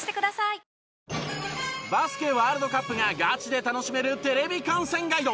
バスケワールドカップがガチで楽しめるテレビ観戦ガイド。